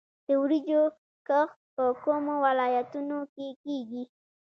د وریجو کښت په کومو ولایتونو کې کیږي؟